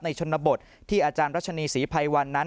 ชนบทที่อาจารย์รัชนีศรีภัยวันนั้น